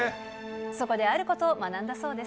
そこであることを学んだそうです。